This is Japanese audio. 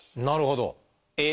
なるほど。